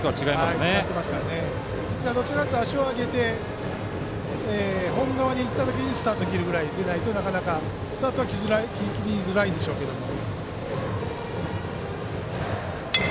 どちらかというと足を上げてホーム側に行った時にスタートを切るぐらいじゃないとなかなかスタートは切りづらいでしょうけれども。